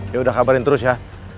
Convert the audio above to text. ya udah kabarin terus ya